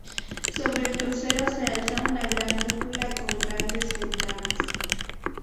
Sobre el crucero se alza una gran cúpula con grandes ventanas.